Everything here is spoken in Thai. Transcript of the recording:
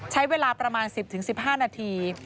ใช้เวลาประมาณ๑๐๑๕นาที